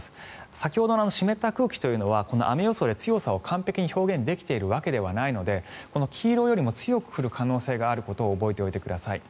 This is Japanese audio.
先ほどの湿った空気というのは雨予想では強さを完璧に表現できているわけではないのでこの黄色よりも強く降る可能性があることを覚えておいてください。